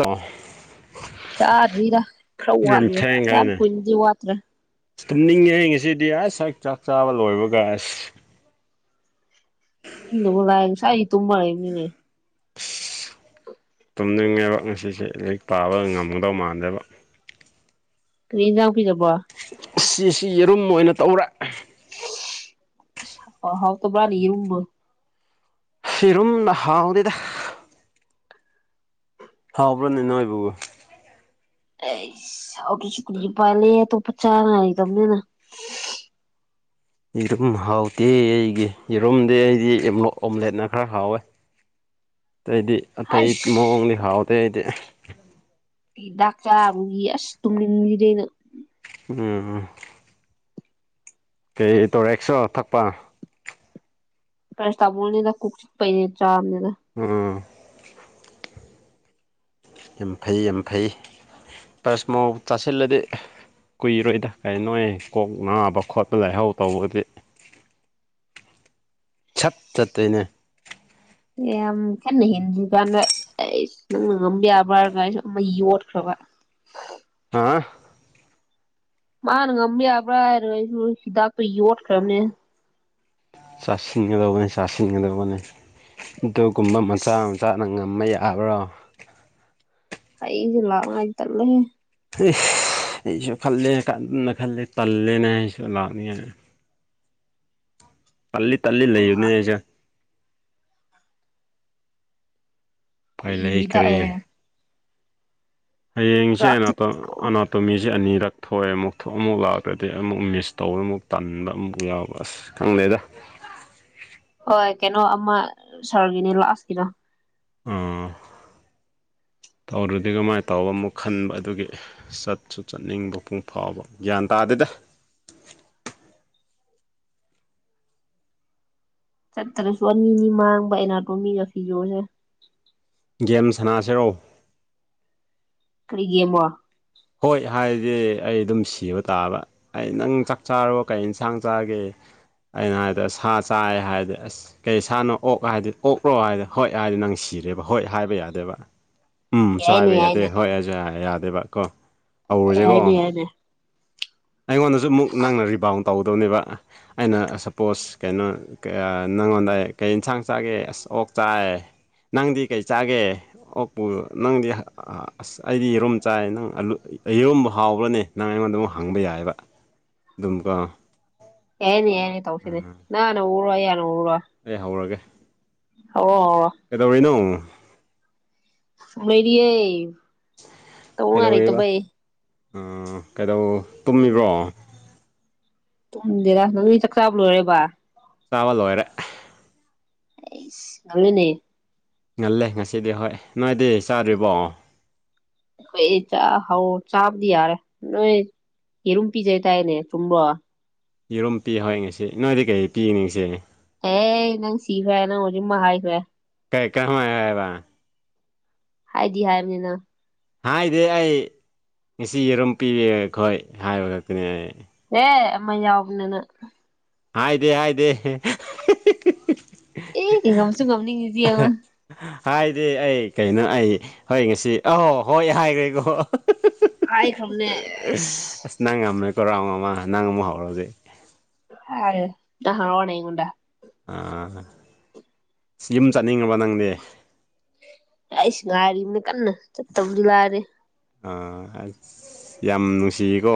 ꯑꯣ ꯆꯥꯗ꯭ꯔꯤꯗ ꯈꯔ ꯌꯥꯝ ꯋꯥꯠꯂꯤꯌꯦ ꯌꯥꯝ ꯀꯨꯢꯅꯗꯤ ꯋꯥꯠꯇ꯭ꯔꯦ ꯇꯨꯝꯅꯤꯡꯉꯦꯍꯦ ꯉꯁꯤꯗꯤ ꯑꯁ ꯍꯦꯛ ꯆꯥꯛ ꯆꯥꯕ ꯂꯣꯏꯕꯒ ꯑꯁ [unintelligible] ꯇꯨꯝꯕ ꯂꯩꯕꯅꯤꯅꯦ ꯇꯨꯝꯅꯤꯡꯉꯦꯕ ꯉꯁꯤꯁꯦ ꯂꯥꯏꯔꯤꯛ ꯄꯥꯕ ꯉꯝꯒꯗꯧ ꯃꯥꯟꯗꯦꯕ ꯀ꯭ꯔꯤ ꯖꯥꯡ ꯄꯤꯖꯕꯣ ꯑꯁꯤꯁꯤ ꯌꯦꯔꯨꯝ ꯑꯣꯏꯅ ꯇꯧꯔꯦ ꯍꯥꯎ ꯇꯕ꯭ꯔꯥꯅꯤ ꯌꯦꯔꯨꯝꯕꯣ ꯍꯦꯔꯣꯝꯅ ꯍꯥꯎꯗꯦꯗ ꯍꯥꯎꯕ꯭ꯔꯥꯅꯦ ꯅꯣꯏꯕꯨ ꯑꯦꯁꯨ [unintelligible] ꯑꯇꯣꯞꯄ ꯆꯥꯅꯉꯥꯢ ꯂꯩꯇꯔꯅꯤꯅ ꯑꯗꯨꯝ ꯍꯥꯎꯇꯦ ꯑꯩꯒꯤ ꯌꯦꯔꯨꯝꯗꯤ ꯑꯩꯗꯤ ꯑꯣꯝꯂꯦꯠꯅ ꯈꯔ ꯍꯥꯎꯋꯦ ꯑꯇꯩꯗꯤ ꯑꯇꯩ ꯍꯩꯁ ꯃꯑꯣꯡꯗꯤ ꯍꯥꯎꯗꯦ ꯑꯩꯗꯤ ꯍꯤꯗꯥꯛ ꯆꯥꯕꯒꯤ ꯑꯁ ꯇꯨꯝꯅꯤꯡꯉꯤ [unintelligible] ꯎꯝ ꯀꯩ ꯇꯣꯔꯦꯛꯁꯣ ꯊꯛꯄ ꯄꯩꯔꯥꯁꯤꯇꯥꯃꯣꯜꯅꯤꯗ ꯀꯣꯛ ꯆꯤꯛꯄꯩ ꯆꯥꯕꯅꯤꯗ ꯎꯝ ꯌꯥꯝ ꯐꯩ ꯌꯥꯝ ꯐꯩ ꯄꯩꯔꯁꯤꯃꯣꯜ ꯆꯥꯁꯤꯜꯂꯗꯤ ꯀꯨꯏꯔꯣꯏꯗ ꯀꯩꯅꯣꯢ ꯀꯣꯛ ꯅꯥꯕ ꯈꯣꯠꯄ ꯂꯥꯏꯍꯧ ꯇꯧꯕꯗꯤ ꯁꯞ ꯆꯠꯇꯣꯢꯅꯦ ꯌꯥꯝ [unintelligible] ꯍꯤꯟꯗꯤ ꯀꯟꯗꯥ ꯑꯩꯁ ꯅꯪꯅ ꯉꯝꯕ ꯌꯥꯕ꯭ꯔꯥ ꯍꯥꯢꯔꯒ ꯑꯃ ꯌꯣꯠꯈ꯭ꯔꯕ ꯍꯥ ꯃꯥꯅ ꯉꯝꯕ ꯌꯥꯕ꯭ꯔꯥ ꯍꯥꯏꯔ ꯑꯩꯅ ꯍꯤꯗꯥꯛꯇꯨ ꯌꯣꯠꯈ꯭ꯔꯕꯅꯦ ꯆꯥꯁꯤꯟꯒꯗꯧꯕꯅꯤ ꯆꯥꯁꯤꯟꯒꯗꯧꯕꯅꯤ ꯑꯗꯨꯒꯨꯝꯕ ꯃꯆꯥ ꯑꯁ ꯃꯆꯥꯅ ꯉꯝꯃ ꯌꯥ ꯇꯥꯕ꯭ꯔꯣ ꯑꯩꯒꯤ [unintelligible] ꯍꯦꯁ ꯑꯩꯁꯨ ꯈꯜꯂꯦ ꯀꯅ ꯈꯜꯂꯦ ꯇꯜꯂꯦꯅꯦ ꯑꯩꯁꯨ ꯂꯥꯛꯅꯤ ꯄꯜꯂꯤ ꯇꯜꯂꯤ ꯂꯩꯕꯅꯦ ꯑꯩꯁꯦ ꯎꯄꯥꯏ ꯂꯩꯈ꯭ꯔꯦ ꯈꯣꯏꯏꯔꯤꯇꯛꯏ ꯍꯌꯦꯡꯁꯦ ꯆꯥꯛꯇꯤ ꯑꯩꯅꯥꯛꯇ ꯑꯅꯥ ꯇꯨꯝꯃꯤꯁꯦ ꯑꯅꯤꯔꯛ ꯊꯣꯛꯑꯦ ꯑꯃꯨꯛ ꯊꯣꯛ ꯑꯃꯨꯛ ꯂꯥꯛꯈꯔꯥꯗꯤ ꯑꯃꯨꯛ ꯃꯤꯁ ꯇꯧꯔ ꯑꯃꯨꯛ ꯇꯟꯅ ꯑꯃꯨꯛ ꯌꯥꯎꯕ ꯑꯁ ꯑꯁ ꯈꯪꯗꯦꯗꯥ ꯍꯣꯏ ꯀꯩꯅꯣ ꯑꯃ ꯁꯥꯔꯒꯤꯅꯦ ꯂꯥꯁ ꯀꯤꯗꯣ ꯑꯥ ꯊꯥꯎꯗꯨꯗꯤ ꯀꯃꯥꯏ ꯇꯧꯕ ꯑꯃꯨꯛ ꯈꯟꯕ ꯑꯗꯨꯒꯤ ꯆꯠꯁꯨ ꯆꯠꯅꯤꯡꯕ ꯄꯨꯡ ꯐꯥꯎꯕ ꯒ꯭ꯌꯥꯟ ꯇꯥꯗꯦꯗꯥ ꯆꯠꯇ꯭ꯔꯁꯨ ꯑꯅꯤ ꯑꯅꯤ ꯃꯥꯡꯕ ꯑꯦꯅꯥꯇꯣꯃꯤꯒ ꯐꯤꯖꯣꯁꯦ ꯒꯦꯝ ꯁꯥꯟꯅꯥꯁꯤꯔꯣ ꯀꯔꯤꯒꯤ ꯑꯃꯨꯛ ꯍꯣꯏ ꯍꯥꯏꯗꯤ ꯑꯩ ꯑꯗꯨꯝ ꯁꯤꯕ ꯇꯥꯕ ꯑꯩ ꯅꯪ ꯆꯥꯛ ꯆꯥꯔꯕꯣ ꯀꯩ ꯏꯟꯁꯥꯡ ꯆꯥꯒꯦ ꯑꯩꯅ ꯍꯥꯏꯗꯣ ꯁꯥ ꯆꯥꯏ ꯍꯥꯏꯗꯤ ꯑꯁ ꯀꯩ ꯏꯁꯥꯅꯣ ꯑꯣꯛ ꯍꯥꯏꯗꯤ ꯑꯣꯛꯂ꯭ꯔꯣ ꯍꯥꯏꯗꯤ ꯍꯣꯏ ꯍꯥꯏꯗꯤ ꯅꯪ ꯁꯤꯔꯦꯕ ꯍꯣꯏ ꯍꯥꯏꯕ ꯌꯥꯗꯦꯕ ꯎꯝꯁꯨ ꯌꯥꯏꯅꯦ ꯍꯥꯏꯕ ꯌꯥꯗꯦ ꯌꯥꯏꯅꯦ ꯍꯣꯏ ꯑꯗꯨ ꯌꯥꯗꯦꯕ ꯀꯣ ꯍꯧꯔꯁꯦꯀꯣ ꯍꯥꯏꯅꯦ ꯍꯥꯏꯅꯦ ꯑꯩꯉꯣꯟꯗꯁꯨ ꯑꯃꯨꯛ ꯅꯪꯅ ꯔꯤꯕꯥꯎ ꯇꯧꯒꯗꯧꯅꯦꯕ ꯑꯩꯅ ꯁꯄꯣꯁ ꯀꯩꯅꯣ ꯀꯩꯌꯥ ꯅꯪꯉꯣꯟꯗ ꯀꯩ ꯢꯟꯁꯥꯡ ꯆꯥꯒꯦ ꯑꯁ ꯑꯣꯛ ꯆꯥꯏ ꯅꯪꯗꯤ ꯀꯩ ꯆꯥꯒꯦ ꯑꯣꯛꯄꯨ ꯅꯪꯗꯤ ꯑꯁ ꯑꯩꯗꯤ ꯌꯦꯔꯨꯝ ꯆꯥꯏ ꯅꯪ ꯑꯂꯨ ꯑꯌꯣꯟꯝ ꯍꯥꯎꯕ꯭ꯔꯅꯦ ꯅꯪ ꯑꯩꯉꯣꯟꯗ ꯑꯃꯨꯛ ꯍꯪꯕ ꯌꯥꯏꯑꯕ ꯑꯗꯨꯝ ꯀꯣ ꯌꯥꯢꯅꯦ ꯌꯥꯢꯅꯦ ꯇꯧꯁꯤꯅꯦ ꯅꯪꯅ ꯎꯔꯣꯏ ꯌꯥꯅ ꯎꯔꯣꯢ ꯑꯩ ꯍꯧꯔꯒꯦ ꯍꯧ ꯑꯣ ꯀꯩꯗꯧꯔꯤꯅꯣ ꯁꯨꯝ ꯂꯩꯔꯤꯌꯦ ꯇꯧꯅꯤꯡꯉꯥꯏ ꯀꯩꯗꯧꯔꯤꯕ ꯂꯩꯇꯕꯩ ꯀꯩꯗꯧ ꯇꯨꯝꯃꯤꯕ꯭ꯔꯣ ꯇꯨꯝꯗꯦꯗꯥ ꯃꯤ ꯆꯥꯛ ꯆꯥꯕ ꯂꯣꯏꯔꯦꯕ ꯆꯥꯕ ꯂꯣꯏꯔꯦ ꯑꯩꯁ ꯉꯜꯂꯤꯅꯦ ꯉꯜꯂꯦ ꯉꯁꯤꯗꯤ ꯍꯣꯏ ꯅꯣꯏꯗꯤ ꯆꯥꯗ꯭ꯔꯤꯕꯣ ꯑꯩꯈꯣꯏ ꯆꯥꯛ ꯍꯥꯎ ꯆꯥꯕꯗꯤ ꯌꯥꯔꯦ ꯅꯣꯏ ꯌꯦꯔꯨꯝ ꯄꯤꯖꯩꯇꯥꯥꯏꯅꯦ ꯆꯨꯝꯕ꯭ꯔꯣ ꯌꯦꯔꯣꯝ ꯄꯤꯍꯥꯏ ꯉꯁꯤ ꯅꯣꯏꯗꯤ ꯀꯩ ꯄꯤꯅꯤ ꯉꯁꯤ ꯑꯦ ꯅꯪ ꯁꯤꯈꯔ꯭ꯦ ꯅꯪ ꯍꯧꯖꯤꯛ ꯃꯥꯏ ꯈꯔ꯭ꯦ ꯀꯩ ꯀꯃꯥꯏ ꯍꯥꯌꯦꯕꯥ ꯍꯥꯏꯗꯤ ꯍꯥꯏꯕꯅꯤ ꯅꯪ ꯍꯥꯏꯗꯦ ꯑꯩ ꯉꯁꯤ ꯌꯦꯔꯨꯝ ꯄꯤꯔꯦ ꯑꯩꯈꯣꯏ ꯍꯥꯏꯕ ꯈꯛꯇꯅꯦ ꯑꯩ ꯑꯦ ꯑꯃ ꯌꯥꯎꯕꯅꯤꯅꯥ ꯍꯥꯏꯗꯦ ꯍꯥꯏꯗꯦ ꯑꯦ ꯉꯝꯁꯨ ꯉꯝꯅꯤꯡꯉꯤꯁꯤ ꯌꯦꯡꯉꯣ ꯍꯥꯏꯗꯤ ꯑꯩ ꯀꯩꯅꯣ ꯑꯩ ꯍꯣꯏ ꯉꯁꯤ ꯑꯍꯣ ꯍꯣꯏ ꯍꯥꯏꯈ꯭ꯔꯦꯀꯣ ꯍꯥꯏꯈꯔꯕꯅꯦ ꯑꯁ ꯑꯁ ꯅꯪ ꯉꯝꯃꯦꯀꯣꯔꯥꯎꯟ ꯑꯃ ꯅꯪ ꯑꯃꯃꯨꯛ ꯍꯧꯔꯣꯖꯤꯛ ꯍꯥꯏ ꯅꯪ ꯍꯔꯥꯎꯔꯅꯥ ꯑꯩꯉꯣꯟꯗꯥ ꯑ ꯌꯨꯝ ꯆꯠꯅꯤꯡꯉꯕ ꯅꯪꯗꯤ ꯑꯩꯁꯨ ꯉꯥꯏꯔꯤꯕꯅꯤ ꯀꯟꯅ ꯆꯠꯇꯧꯕꯗꯤ ꯂꯥꯏꯔꯦ ꯑꯥ ꯑꯁ ꯌꯥꯝ ꯅꯨꯡꯁꯤꯀꯣ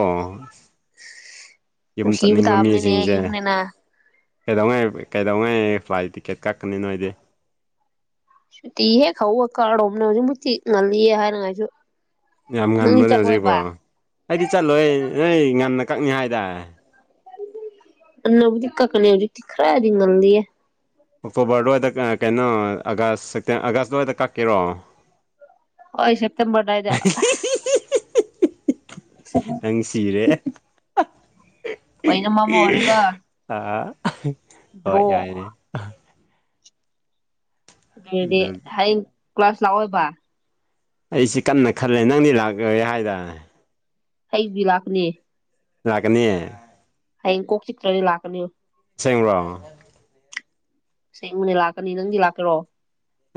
ꯌꯨꯝ ꯅꯨꯡꯁꯤꯕ ꯆꯠꯅꯤꯡꯕ ꯇꯥꯕꯅꯤꯅꯦ ꯃꯤꯁꯤꯡꯁꯦ ꯌꯨꯝꯅꯤꯅ ꯀꯩꯗꯧꯉꯩ ꯀꯩꯗꯧꯉꯩ ꯐ꯭ꯂꯥꯏꯠ ꯇꯤꯀꯦꯠ ꯀꯛꯀꯅꯤ ꯅꯣꯏꯗꯤ ꯁꯨꯇꯤ ꯍꯦꯛ ꯍꯧꯕ ꯀꯥꯔ꯭ꯗꯣꯕꯅꯦ ꯍꯨꯖꯤꯛ ꯃꯨꯠꯇꯤ ꯉꯜꯂꯤꯌꯦ ꯍꯥꯏꯅꯉꯥꯏꯖꯨ ꯌꯥꯝ ꯉꯟꯕ꯭ꯔꯅꯦ ꯍꯧꯖꯤꯛꯕꯣ ꯑꯩꯗꯤ ꯆꯠꯂꯣꯏ ꯅꯣꯏ ꯉꯟꯅ ꯀꯛꯅꯤ ꯍꯥꯏꯗꯥꯏ ꯑꯅꯧꯕꯨꯗꯤ ꯀꯛꯀꯅꯤ ꯍꯧꯖꯤꯛꯇꯤ ꯈꯔꯗꯤ ꯉꯜꯂꯤꯌꯦ ꯑꯣꯛꯇꯣꯕꯔꯗꯋꯥꯏꯗ ꯀꯩꯅꯣ ꯑꯥꯒꯁ ꯁꯦꯛꯇꯦꯝ ꯑꯥꯒꯁꯗꯋꯥꯏꯗ ꯀꯛꯀꯦꯔꯣ ꯍꯣꯏ ꯁꯦꯞꯇꯦꯝꯕꯔꯗꯥꯏꯗ ꯅꯪ ꯁꯤꯔꯦ ꯂꯣꯏꯅꯃꯛ ꯑꯃ ꯑꯣꯏꯔꯒ ꯑ ꯍꯣꯏ ꯗ꯭ꯔꯣ ꯌꯥꯏꯅꯦ ꯑꯗꯨꯗꯤ ꯑꯗꯨ ꯍꯌꯦꯡ ꯀ꯭ꯂꯥꯁ ꯂꯥꯛꯑꯣꯏꯕ ꯑꯩꯁꯤ ꯀꯟꯅ ꯈꯜꯂꯦ ꯅꯪꯗꯤ ꯂꯥꯛꯂꯦ ꯍꯥꯏꯗꯥ ꯑꯩꯕꯤ ꯂꯥꯛꯅꯦ ꯂꯥꯛꯀꯅꯤ ꯑꯩ ꯀꯣꯛ ꯆꯤꯀꯞꯒꯤ ꯂꯥꯛꯀꯅꯤ [unintelligible] ꯁꯦꯡꯕꯅꯤ ꯂꯥꯛꯀꯅꯤ ꯅꯪꯗꯤ ꯂꯥꯛꯇꯔꯣ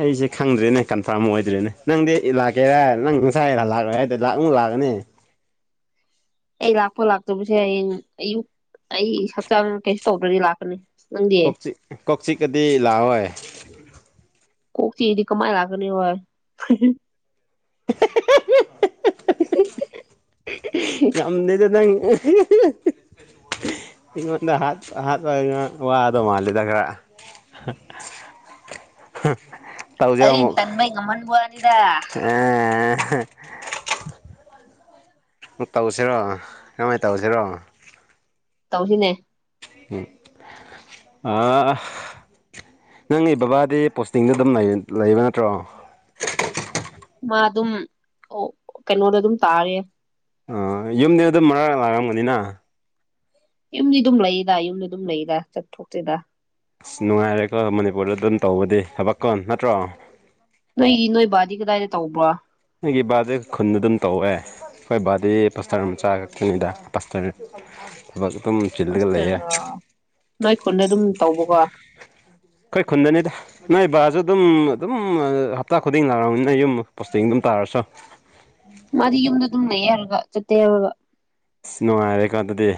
ꯑꯩꯁꯦ ꯈꯪꯗ꯭ꯔꯦꯅꯦ ꯀꯟꯐꯥꯔꯝ ꯑꯣꯏꯗ꯭ꯔꯦꯅꯦ ꯅꯪꯗꯤ ꯏꯂꯥꯛꯀꯦꯔꯥ ꯅꯪ ꯉꯁꯥꯏꯅ ꯂꯥꯛꯂꯣꯏ ꯍꯥꯏꯗꯨ ꯂꯥꯛꯃꯨꯛ ꯂꯥꯛꯀꯅꯤ ꯑꯩ ꯂꯥꯛꯄ ꯂꯥꯛꯇꯕꯁꯦ ꯍꯌꯦꯡ ꯑꯌꯨꯛ ꯑꯩ ꯍꯛꯆꯥꯡ ꯀꯩꯁꯨ ꯇꯧꯗ꯭ꯔꯗꯤ ꯂꯥꯛꯀꯅꯤ ꯅꯪꯗꯤ ꯀꯣꯛꯆꯤꯛ ꯀꯣꯛꯆꯤꯛ ꯑꯗꯤ ꯂꯥꯛꯑꯣꯏ ꯀꯣꯛꯆꯤꯛꯑꯗꯤ ꯀꯃꯥꯏ ꯂꯥꯛꯀꯅꯤ ꯑꯣꯏ [inaudible] ꯉꯝꯗꯦꯗ ꯅꯪ ꯏꯪꯉꯣꯟꯗ ꯍꯥꯠ ꯍꯥꯠꯄꯥ ꯉꯥ ꯋꯥ ꯑꯗꯣ ꯃꯥꯜꯂꯤꯗ ꯈꯔꯥ [inaudible] ꯑꯩ ꯇꯟ ꯕꯩ ꯉꯝꯃꯟꯕꯣ ꯋꯥꯅꯤꯗ [unintelligible] ꯇꯧꯁꯤꯔꯣ ꯀꯔꯃꯥꯏꯅ ꯇꯧꯁꯤꯔꯣ ꯇꯧꯁꯤꯅꯦ ꯎ ꯑꯥ ꯅꯪꯒꯤ ꯕꯕꯥꯗꯤ ꯄꯣꯁꯇꯤꯡꯗ ꯑꯗꯨꯝ ꯂꯩꯕ ꯅꯠꯇ꯭ꯔꯣ ꯃꯥ ꯑꯗꯨꯝ ꯑꯣ ꯀꯩꯅꯣꯗ ꯑꯗꯨꯝ ꯇꯥꯔꯤꯌꯦ ꯑ ꯌꯨꯝꯗꯤ ꯑꯗꯨꯝ ꯃꯔꯛ ꯂꯥꯛꯔꯝꯒꯅꯤꯅ ꯌꯨꯝꯗꯤ ꯑꯗꯨꯝ ꯂꯩꯗ ꯌꯨꯝꯗꯤ ꯑꯗꯨꯝ ꯂꯩꯗ ꯆꯠꯊꯣꯛꯇ꯭ꯔꯤꯗ ꯑꯁ ꯅꯨꯡꯉꯥꯏꯔꯦꯀꯣ ꯃꯅꯤꯄꯨꯔꯗ ꯑꯗꯨꯝ ꯇꯧꯕꯗꯤ ꯊꯕꯛꯀꯣꯟ ꯅꯠꯇ꯭ꯔꯣ ꯅꯣꯏꯗꯤ ꯅꯣꯏ ꯕꯥꯗꯤ ꯀꯗꯥꯏꯗ ꯇꯧꯕ꯭ꯔꯣ ꯑꯩꯒꯤ ꯕꯥꯔꯗꯦ ꯈꯨꯟꯗ ꯑꯗꯨꯝ ꯇꯧꯑꯦ ꯍꯈꯣꯏ ꯕꯥꯗꯤ ꯄꯁꯇꯔ ꯑꯃ ꯆꯥ ꯈꯛꯇꯅꯤꯗ ꯄꯥꯁꯇꯔ ꯊꯕꯛ ꯑꯗꯨꯝ ꯆꯤꯜꯂꯒ ꯂꯩꯌꯦ ꯄꯥꯁꯇꯔ ꯅꯣꯏ ꯈꯨꯟꯗ ꯑꯗꯨꯝ ꯇꯧꯕꯀꯣ ꯑꯩꯈꯣꯏ ꯈꯨꯟꯗꯅꯤꯗ ꯅꯣꯏ ꯕꯥꯁꯨ ꯑꯗꯨꯝ ꯑꯗꯨꯝ ꯍꯞꯇꯥ ꯈꯨꯗꯤꯡ ꯂꯥꯛꯔꯝꯅꯤꯅ ꯌꯨꯝ ꯆꯦꯡ ꯑꯗꯨꯝ ꯇꯥꯔꯁꯨ ꯃꯥꯗꯤ ꯌꯨꯝꯗ ꯑꯗꯨꯝ ꯂꯩꯔꯒ ꯆꯠꯇꯦ ꯌꯥꯔꯒ ꯅꯨꯡꯉꯥꯏꯔꯀꯥꯟꯗꯗꯤ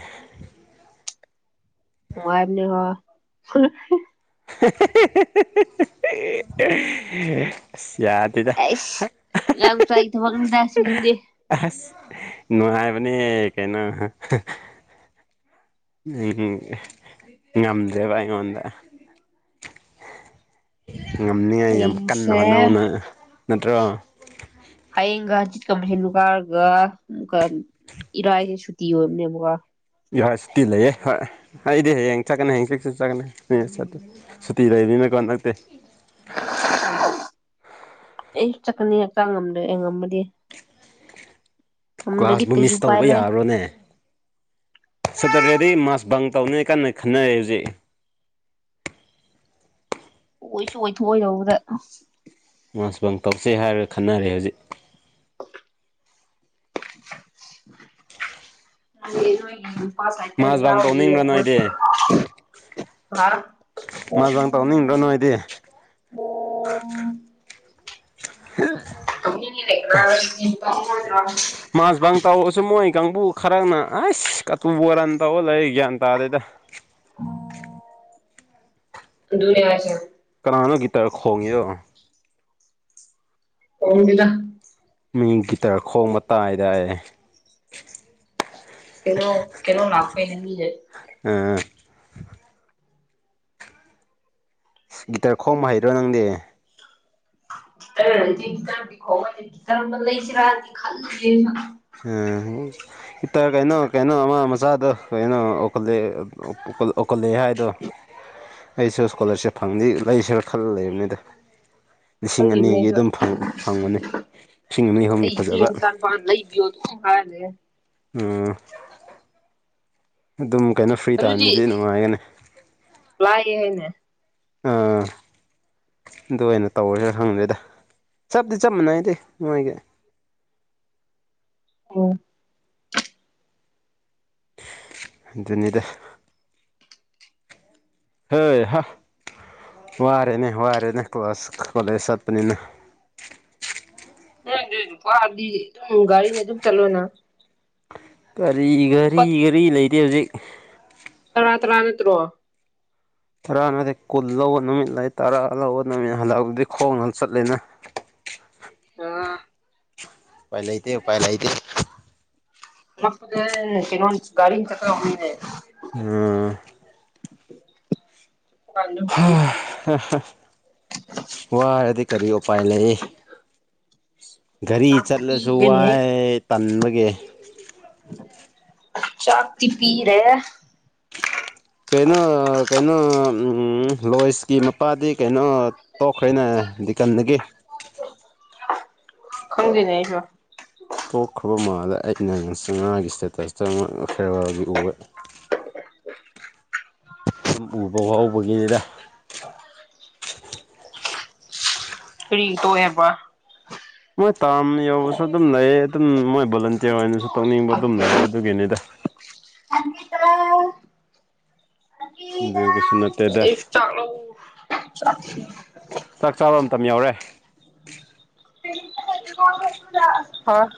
ꯅꯨꯡꯉꯥꯏꯕꯅꯤꯀꯣ [unintelligible] ꯑꯁ ꯑꯉꯥꯡ ꯃꯆꯥꯏ ꯊꯕꯛꯅꯤꯇ ꯁꯤ ꯃꯨꯗꯦ ꯑꯁ ꯅꯉꯥꯏꯕ ꯀꯩꯅꯣ ꯎꯝ ꯉꯝꯗꯦꯕ ꯑꯩꯒꯣꯟꯗ ꯉꯝꯅꯤꯉ ꯌꯥꯝ ꯀꯟꯅ ꯍꯌꯦꯡꯁꯦ ꯍꯣꯠꯅ ꯅꯠꯇ꯭ꯔꯣ ꯍꯌꯦꯡꯒ ꯆꯤꯠꯀ ꯃꯁꯦ [unintelligible] ꯏꯔꯥꯏꯁꯦ ꯁꯨꯇꯤ ꯑꯣꯏꯕꯅꯦꯕꯀ ꯌꯥꯍꯣꯏ ꯁꯨꯇꯤ ꯂꯩꯑꯌꯦ ꯍꯣꯏ ꯑꯩꯗꯤ ꯍꯌꯦꯡ ꯆꯠꯀꯅꯤ ꯍꯌꯦꯡ ꯆꯁꯨꯠ ꯆꯠꯀꯅꯤ ꯆꯦ ꯁꯨꯇꯤ ꯂꯩꯅꯤꯅ ꯀꯣꯟꯅꯛꯇꯦ [inaudible] ꯑꯩ ꯆꯠꯀꯅꯤ ꯍꯛꯆꯥꯡ ꯉꯝꯗꯦ ꯑꯩ ꯉꯝꯃꯗꯤ ꯉꯝꯗ꯭ꯔꯗꯤ ꯀ꯭ꯂꯥꯁꯕꯨ ꯀꯩ ꯃꯤꯁ ꯎꯄꯥꯏ ꯇꯧꯕ ꯂꯩ ꯌꯥꯔꯣꯅꯦ ꯁꯇꯔꯗꯦꯗꯒꯤ ꯃꯥꯁ ꯕꯪ ꯇꯧꯅꯤ ꯀꯥꯟ ꯈꯟꯅꯔꯦ ꯍꯧꯖꯤꯛ ꯑꯣꯏꯁꯨ ꯑꯣꯏꯊꯣꯛꯑꯣꯏꯗꯧꯕꯗ ꯃꯥꯁꯄꯪ ꯇꯧꯁꯦ ꯍꯥꯏꯔꯒ ꯈꯟꯅꯔꯦ ꯍꯧꯖꯤꯛ [inaudible] ꯃꯥꯁ ꯕꯥꯡ ꯇꯧꯅꯤꯡꯕ꯭ꯔꯥ ꯅꯣꯏꯗꯤ [unintelligible] [unintelligible] ꯇꯧꯅꯤꯡꯏꯗꯣ ꯅꯣꯏꯗꯤ [unintelligible] ꯃꯥꯁꯕꯪ ꯇꯧꯔꯁꯨ ꯃꯣꯏ ꯀꯥꯡꯕꯨ ꯈꯔꯛꯅ ꯑꯁ ꯀꯇꯨꯕꯣꯔꯟ ꯇꯧꯔ ꯂꯩ ꯒ꯭ꯌꯥꯟ ꯇꯥꯗꯩꯗ [inaudible] ꯑꯗꯨꯅꯑꯦ ꯍꯥꯌꯁꯦ ꯀꯅꯥꯅꯣ ꯒꯤꯇꯔ ꯈꯣꯡꯉꯤꯌꯣ [unintelligible] ꯃꯤ ꯒꯤꯇꯔ ꯈꯣꯡꯕ ꯇꯥꯏꯗꯥ ꯀꯩꯅꯣ ꯀꯩꯅꯣ [unintelligible] ꯎꯝ ꯒꯤꯇꯔ ꯈꯣꯝꯕ ꯍꯩꯗ꯭ꯔꯣ ꯅꯪꯗꯤ [unintelligible] ꯂꯩꯁꯤ ꯔꯗꯤ ꯈ ꯎꯝ ꯏꯇꯔ ꯀꯩꯅꯣ ꯀꯩꯅꯣ ꯑꯃ ꯃꯆꯥꯗꯣ ꯀꯩꯅꯣ [unintelligible] ꯑꯣꯈꯠꯂꯛꯑꯦ ꯍꯥꯏꯗꯣ ꯑꯩꯁꯨ ꯏꯁꯀꯣꯂꯥꯔꯁꯤꯞ ꯐꯪꯗꯤ ꯂꯩꯁꯤꯔ ꯈꯜꯂ ꯂꯩꯕꯅꯤꯗ ꯂꯤꯁꯤꯡ ꯈꯜꯂꯤꯕꯅꯦ ꯑꯅꯤꯒꯤ ꯑꯩꯁꯨ ꯑꯗꯨꯝ ꯐꯪꯕꯅꯤ ꯂꯤꯁꯤꯡ ꯑꯅꯤ ꯑꯩ ꯑꯍꯨꯝꯒꯤ ꯏꯆꯦ ꯐꯖꯕ [unintelligible] [unintelligible] ꯑꯗꯨꯝ ꯀꯩꯅꯣ ꯐ꯭ꯔꯤ ꯑꯗꯨꯗꯤ ꯇꯥꯟꯗꯗꯤ ꯅꯨꯡꯉꯥꯏꯒꯅꯤ [unintelligible] ꯑꯥ ꯑꯗꯨ ꯑꯣꯏꯅ ꯇꯧꯔꯦꯁꯨꯅ ꯍꯪꯗꯦꯗ ꯆꯞꯗꯤ ꯆꯞ ꯃꯥꯟꯅꯩꯗꯤ ꯅꯣꯏꯒꯤ ꯎꯝ ꯑꯗꯨꯅꯤꯗ ꯍꯣꯏ ꯍ ꯋꯥꯔꯦꯅꯦ ꯋꯥꯔꯦꯅꯦ ꯀ꯭ꯂꯥꯁ ꯀꯣꯂꯦꯖ ꯆꯠꯄꯅꯤꯅ [unintelligible] ꯒꯔꯤꯅꯥ ꯑꯗꯨꯝ ꯆꯇꯂꯣꯅ ꯀꯒꯥꯔꯤ ꯒꯥꯔꯤ ꯒꯥꯔꯤ ꯂꯩꯇꯦ ꯍꯧꯖꯤꯛ ꯇꯧꯔꯥ ꯇꯔꯥ ꯅꯠꯇ꯭ꯔꯣ ꯇꯔꯥꯅꯗꯤ ꯀꯨꯟ ꯂꯧꯕ ꯅꯨꯃꯤꯠ ꯂꯩ ꯇꯔꯥ ꯂꯧꯕ ꯅꯨꯃꯤꯠ ꯍꯜꯂꯛꯑꯕꯨꯗꯤ ꯈꯣꯡꯅ ꯆꯠꯂꯤꯅ ꯑꯥ ꯎꯄꯥꯏ ꯂꯩꯇꯦ ꯎꯄꯥꯏ ꯂꯩꯇꯦ [unintelligible] ꯀꯩꯅꯣ ꯒꯥꯔꯤ ꯆꯀ [unintelligible] ꯎꯝ [unintelligible] [unintelligible] ꯋꯥꯔꯗꯤ ꯀꯔꯤ ꯎꯄꯥꯏ ꯂꯩ ꯒꯥꯔꯤ ꯆꯥꯛꯇꯤ ꯆꯠꯂꯁꯨ ꯄꯤꯗꯦꯅꯦ ꯋꯥꯏ ꯇꯟꯕꯒꯦ ꯆꯥꯥꯛꯇꯤ ꯄꯤꯔꯦ ꯀꯩꯅꯣ ꯀꯩꯅꯣ ꯂꯣꯏꯁꯀꯤ ꯃꯄꯥꯗꯤ ꯀꯩꯅꯣ ꯇꯣꯛꯈ꯭ꯔꯦꯅ ꯗꯤꯀꯟꯗꯒꯤ ꯈꯪꯗꯦꯅꯦ ꯑꯩꯁꯨ ꯇꯣꯛꯈ꯭ꯔꯕ ꯃꯥꯥꯗ ꯑꯩꯅ [unintelligible] ꯉꯥꯒꯤ ꯏꯁꯇꯦꯇꯁꯇ ꯐꯦꯔꯋꯥꯜꯒꯤ ꯎꯋꯦ ꯎꯕ ꯍꯥꯎꯕꯒꯤꯅꯤꯗ [inaudible] ꯀꯔꯤ ꯇꯣꯌꯦꯕ ꯃꯣꯏ ꯇꯥꯔꯝ ꯌꯧꯔꯥꯁꯨ ꯑꯗꯨꯝ ꯂꯩ ꯑꯗꯨꯝ ꯃꯣꯏ ꯚꯣꯂꯟꯇꯤꯌꯔ ꯑꯣꯏꯅꯁꯨ ꯇꯧꯅꯤꯡꯕ ꯑꯗꯨꯝ ꯂꯩ ꯑꯗꯨꯒꯤꯅꯤꯗ ꯑꯥ ꯃꯤꯇ꯭ꯔꯥ ꯑꯗꯨ ꯀꯩꯁꯨ ꯅꯠꯇꯦꯗ [unintelligible] ꯆꯥꯛ ꯆꯥꯕ ꯃꯇꯝ ꯌꯥꯎꯔꯦ [unintelligible] ꯍꯣꯏ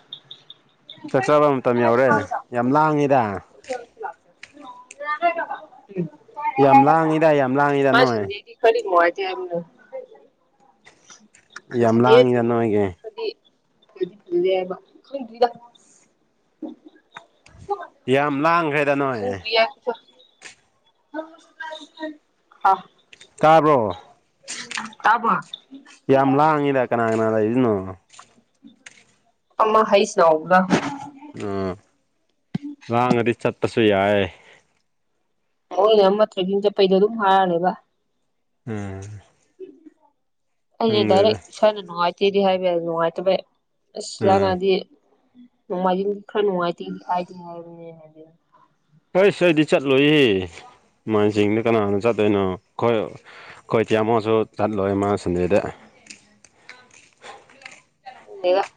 ꯆꯥꯛꯆꯥꯥꯕ ꯃꯇꯝ ꯌꯧꯔꯦ ꯌꯥꯝ ꯂꯥꯡꯉꯤꯗ [inaudible] ꯌꯥꯝ ꯂꯥꯡꯉꯤꯗ ꯌꯥꯝ ꯂꯥꯡꯉꯤꯗ ꯅꯣꯏ ꯐꯔꯤꯛ ꯅꯨꯉꯥꯏꯇꯦ ꯍꯥꯏꯕꯅꯦ ꯈꯪ ꯌꯥꯝ ꯁꯟꯗꯦ ꯂꯥꯡꯉꯤꯗ ꯇꯔ꯭ꯦꯀꯤꯡ ꯅꯣꯏꯒꯤ ꯆꯠꯄꯤꯈꯔ꯭ꯗꯤ ꯐꯗꯤ ꯐꯖꯗꯦꯕ ꯈꯪꯗꯔ꯭ꯤꯗ ꯌꯥꯝ ꯂꯥꯡꯒꯔꯦ ꯈꯪꯗꯔ꯭ꯤꯌꯦ ꯑꯩꯁꯨ [unintelligible] ꯇꯥꯕ꯭ꯔꯣ ꯇꯥꯕꫭ ꯌꯥꯝ ꯂꯥꯡꯉꯤꯗ ꯀꯅꯥ ꯀꯅꯥꯗꯂꯩꯅꯣ ꯑꯃ ꯍꯁꯅꯥ ꯍꯧꯕꯔ ꯑꯥ ꯂꯥꯡꯉꯗꯤ ꯆꯠꯇꯁꯨ ꯌꯥꯏꯦ [unintelligible] ꯆꯠꯄꯩꯗꯣ ꯑꯗꯨꯝ ꯐꯔꯅꯦꯕ ꯎꯝ ꯑꯩꯁꯦ ꯗꯤꯔꯦꯠ ꯈꯪꯗ꯭ꯔꯦꯗ ꯏꯁꯥꯅ ꯅꯨꯡꯉꯥꯏꯇꯤꯗꯤ ꯍꯥꯏꯕ ꯅꯨꯡꯉꯥꯏꯇ ꯑꯁ ꯎꯝ ꯂꯥꯡꯉꯥꯑꯗꯤ ꯅꯣꯡꯃꯥꯏꯖꯤꯡꯒꯤ ꯈꯔ ꯅꯨꯡꯉꯥꯏꯇꯦ ꯍꯥꯏꯗꯤ ꯍꯥꯏꯕꯅꯤ ꯍꯥꯏꯗꯤ ꯍꯩꯁ ꯑꯩꯗꯤ ꯆꯠꯂꯣꯏꯌꯦ ꯃꯥꯟ ꯆꯤꯡꯗ ꯀꯅꯥ ꯍꯥꯟꯅ ꯆꯠꯇꯣꯏꯅꯣ ꯈꯣꯏ ꯑꯩꯈꯣꯏ ꯆꯦ ꯑꯃꯁꯨ ꯆꯠꯂꯣꯏ ꯃꯥ ꯁꯟꯗꯦꯗ [unintelligible]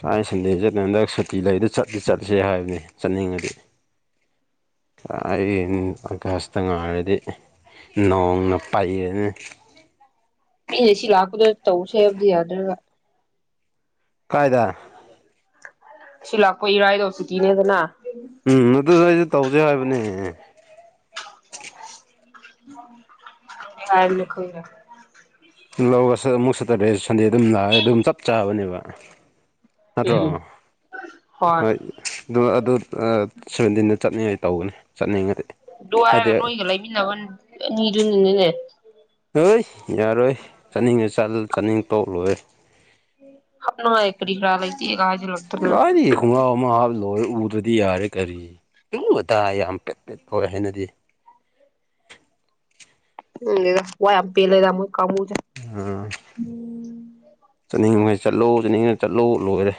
ꯁꯥꯏ ꯁꯟꯗꯦ ꯆꯠꯅ ꯍꯟꯗꯛ ꯁꯨꯇꯤ ꯂꯩꯗ ꯆꯠꯇꯤ ꯆꯠꯁꯦ ꯍꯥꯏꯕꯅꯤ ꯆꯠꯅꯤꯡꯉꯗꯤ꯫ ꯑꯩꯩꯅ ꯑꯀꯥꯁꯇ ꯉꯥꯏꯔꯗꯤ ꯅꯣꯡꯅ ꯄꯥꯏꯔꯅꯤ꯫ ꯃꯤꯅ ꯁꯤ ꯂꯥꯛꯄꯗꯨ ꯇꯧꯁꯦ ꯍꯥꯏꯕꯗꯤ ꯌꯥꯗ꯭ꯔꯒ꯫ ꯀꯥꯏꯗ ꯁꯤ ꯂꯥꯛꯄ ꯏꯔꯥꯏꯗꯣ ꯆꯤꯇꯤꯅꯦꯗꯅ ꯎꯝ ꯑꯗꯨꯗꯣ ꯑꯩꯁꯨ ꯇꯧꯁꯦ ꯍꯥꯏꯕꯅꯦ ꯀꯩ ꯍꯥꯏꯕꯅꯣ ꯈꯪꯗꯔꯦ ꯂꯧꯔ ꯑꯃꯨꯛ ꯁꯦꯇꯔꯗꯦ ꯁꯟꯗꯦꯗ ꯑꯗꯨꯝ ꯂꯥꯛꯑꯦ ꯑꯗꯨꯝ ꯆꯞ ꯆꯥꯕꯅꯦꯕ ꯅꯠꯇ꯭ꯔꯣ ꯎꯝ ꯍꯣꯏ ꯑꯗꯨ ꯑꯗꯨ ꯁꯚꯦꯟꯇꯤꯟꯗ ꯆꯠꯅꯤꯡꯉꯥꯏ ꯇꯧꯒꯅꯤ ꯆꯠꯅꯤꯡꯉꯗꯤ ꯑꯗꯨ ꯍꯥꯏꯗꯤ ꯍꯥꯏꯔꯒ ꯅꯣꯏꯒ ꯂꯩꯃꯤꯟꯅꯕ ꯑꯅꯤꯗꯨꯅꯤꯅꯤꯅꯦ ꯍꯣꯏ ꯌꯥꯔꯣꯏ ꯆꯠꯅꯤꯡꯉ ꯆꯂ ꯆꯥꯅꯤꯡ ꯇꯣꯛꯂꯣꯏꯔꯦ ꯍꯅꯥꯏ ꯀꯔꯤ ꯈꯔꯥ ꯂꯩꯇꯦꯒ ꯍꯥꯏꯖꯤꯟꯂꯛꯇꯅ ꯈꯣꯡꯒꯥꯎ ꯑꯃ ꯍꯥꯞ ꯂꯣꯏꯔꯦ ꯎꯗ꯭ꯔꯗꯤ ꯌꯥꯔꯦ ꯀꯔꯤ ꯎꯕꯇꯥꯥꯏ ꯌꯥꯝ ꯄꯦꯠ ꯄꯦꯠ ꯂꯣꯏꯔꯦ ꯍꯩꯅꯗꯤ꯫ ꯎ ꯗꯦꯗꯥ ꯋꯥ ꯌꯥꯝ ꯄꯦꯠꯂꯦꯗ ꯃꯣꯏ ꯀꯥꯡꯃꯨꯁꯦ ꯑꯥ ꯆꯠꯅꯤꯡꯕꯉꯩ ꯆꯠꯂꯣ ꯆꯠꯅꯤꯡꯉ ꯆꯠꯂꯣ ꯂꯣꯏꯔꯦ